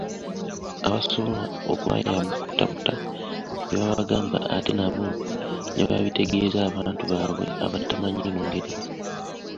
Abasobola okubayamba okutaputa bye babagamba ate nabo ne babitegeeza abantu baabwe abatamanyi Lungereza.